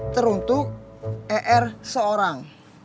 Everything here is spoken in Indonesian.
teruntuk er seorang